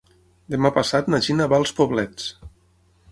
Demà passat na Gina va als Poblets.